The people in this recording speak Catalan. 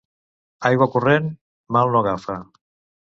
Aigua corrent mal no agafa.